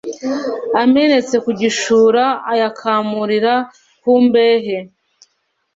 amenetse ku gishura ayakamurira ku mbehe